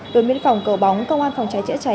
đội viên phòng cầu bóng công an phòng cháy chữa cháy